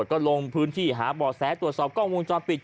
ก็ลงพื้นที่หาบ่อแสตรวจสอบกล้องวงจรปิด